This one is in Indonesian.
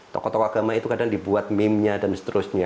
tokoh tokoh agama itu kadang dibuat meme nya dan seterusnya